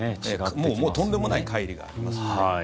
もうとんでもないかい離がありますね。